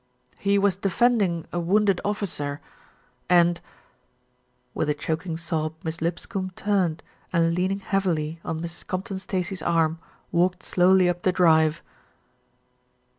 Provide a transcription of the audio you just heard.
"He was defending a wounded officer and " With a choking sob Miss Lipscombe turned and, leaning heavily on Mrs. Compton Stacey's arm, walked slowly up the drive.